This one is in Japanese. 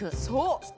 そう！